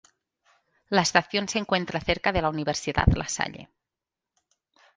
La estación se encuentra cerca de la Universidad La Salle.